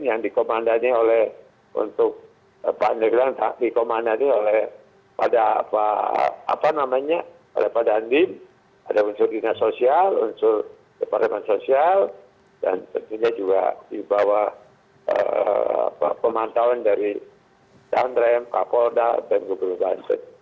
yang dikomandanya oleh untuk pak banyagelang dikomandanya oleh pak dandim ada unsur dinas sosial unsur departemen sosial dan tentunya juga di bawah pemantauan dari tandrem kapolda dan bukit lubang